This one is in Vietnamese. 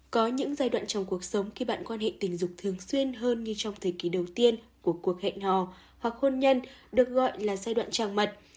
có những giai đoạn trong cuộc sống khi bạn quan hệ tình dục thường xuyên hơn như trong thời kỳ đầu tiên của cuộc hẹn hò hoặc hôn nhân được gọi là giai đoạn tràng mật